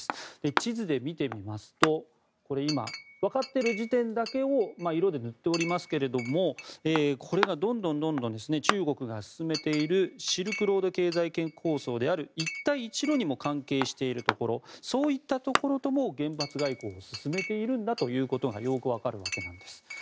地図で見てみますと分かっている時点だけを色で塗っておりますがこれが、どんどん中国が進めているシルクロード経済圏構想である一帯一路にも関係しているところそういったところとも原発外交を進めているということがよく分かるわけなんです。